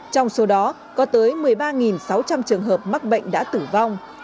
trong số đó có tới một mươi ba sáu trăm linh trường hợp mắc bệnh đã tử vong